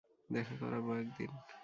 দেখা করাবো একদিন।